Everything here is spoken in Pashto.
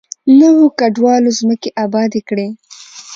نویو کډوالو ځمکې ابادې کړې.